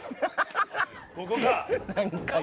ここか。